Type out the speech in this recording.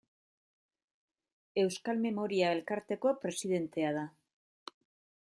Euskal Memoria elkarteko presidentea da.